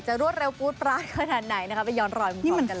จะรวดเร็วพูดปลาดขนาดไหนนะครับไปย้อนรอยมุมของกันเลย